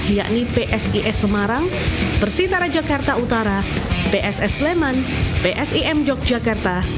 yakni psis semarang persitara jakarta utara pss sleman psim yogyakarta